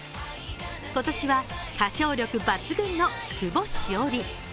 今年は歌唱力抜群の久保史緒里